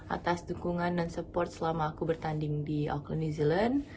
atas dukungan dan support selama aku bertanding di auckland new zealand